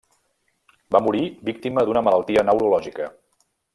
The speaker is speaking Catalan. Va morir víctima d'una malaltia neurològica.